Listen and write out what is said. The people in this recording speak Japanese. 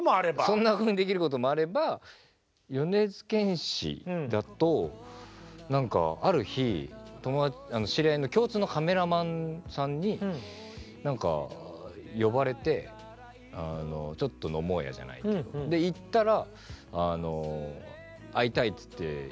そんなふうにできることもあれば米津玄師だとなんかある日知り合いの共通のカメラマンさんに呼ばれてちょっと飲もうやじゃないけどで行ったら。